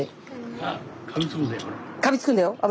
あかみつくんだよこれ。